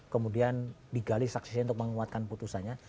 kemudian digali saksinya untuk menguatkan putusannya